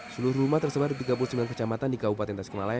seluruh rumah tersebar di tiga puluh sembilan kecamatan di kabupaten tasikmalaya